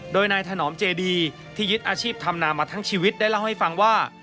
โดยนายถนอมเจดีที่ยึดอาชีพธรรมนามาทั้งชีวิตได้เล่าให้ฟังว่า